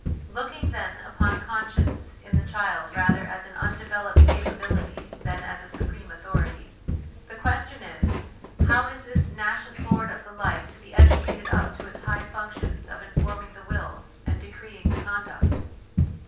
Look ing, then, upon conscience in the child rather as an undeveloped capability than as a supreme authority, the question is, how is this nascent lord of the life to be educated up to its high functions of informing the will and decreeing the conduct